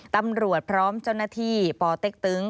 ตำรวจพร้อมเจ้าหน้าที่ปเต็กตึง